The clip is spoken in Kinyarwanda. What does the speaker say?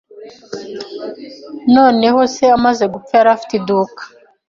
Noneho se amaze gupfa, yari afite iduka.